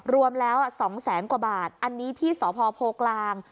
รวมแล้ว๒แสนกว่าบาทอันนี้ที่สพโพกลาง